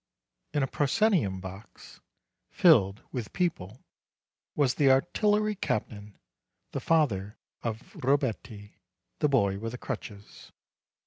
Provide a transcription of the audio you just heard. In a proscenium box, filled with people, was the artillery captain, the father of Robetti, the boy with the crutches.